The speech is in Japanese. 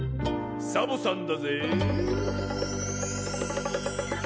「サボさんだぜぇ」